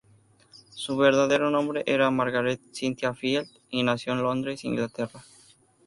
Su verdadero nombre era Margaret Cynthia Field, y nació en Londres, Inglaterra.